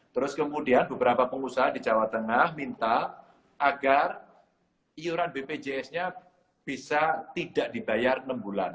terus kemudian beberapa pengusaha di jawa tengah minta agar iuran bpjs nya bisa tidak dibayar enam bulan